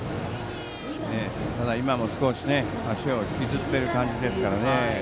ただ、今も少し足を引きずっている感じですから。